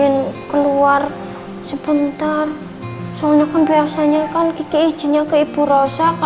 melebihi rasa sayangnya kepadaku